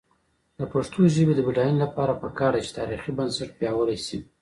د پښتو ژبې د بډاینې لپاره پکار ده چې تاریخي بنسټ پیاوړی شي.